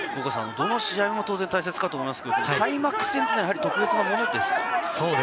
どの試合も当然大事だとは思いますけれど、開幕戦っていうのは特別なものですか？